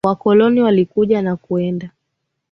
Wakoloni walikuja na kuenda